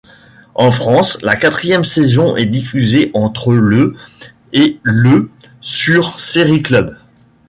En France, la quatrième saison est diffusée entre le et le sur Série Club.